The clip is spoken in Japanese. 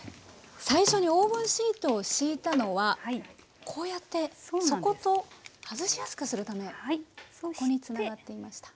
最初にオーブンシートを敷いたのはこうやって底と外しやすくするためそこにつながっていました。